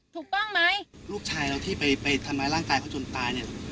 ถูกต้องไหมลูกชายเราที่ไปไปทำร้ายร่างกายเขาจนตายเนี่ย